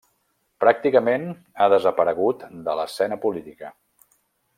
Pràcticament ha desaparegut de l'escena política.